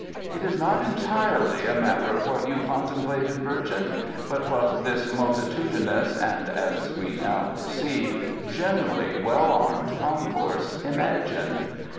"It is not entirely a matter of what you contemplated, merchant, but what this multitudinous and, as we now perceive, generally well armed concourse imagined.